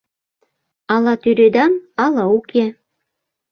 Ала тӱредам, ала уке.